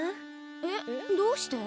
えっどうして？